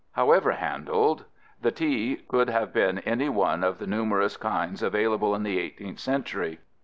However handled, the tea could have been any one of the numerous kinds available in the 18th century.